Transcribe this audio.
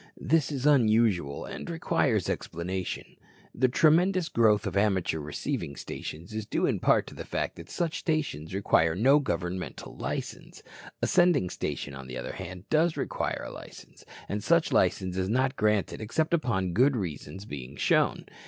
This is unusual and requires explanation. The tremendous growth of amateur receiving stations is due in part to the fact that such stations require no governmental license. A sending station, on the other hand, does require a license, and such license is not granted except upon good reasons being shown.